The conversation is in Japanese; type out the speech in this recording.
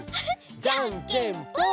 じゃんけんぽん！